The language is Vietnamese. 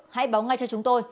hãy báo ngay cho chúng tôi